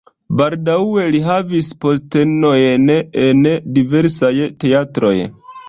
Baldaŭe li havis postenojn en diversaj teatroj.